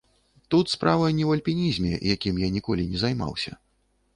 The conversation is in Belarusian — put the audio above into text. Тут справа не ў альпінізме, якім я ніколі не займаўся.